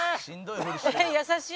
「優しい。